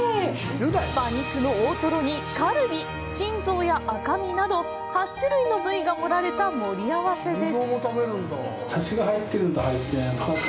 馬肉の大トロにカルビ、心臓や赤身など８種類の部位が盛られた盛り合わせです。